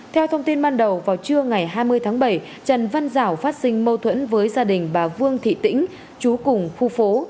theo thông tin ban đầu vào trưa ngày hai mươi tháng bảy trần văn dảo phát sinh mâu thuẫn với gia đình bà vương thị tĩnh chú cùng khu phố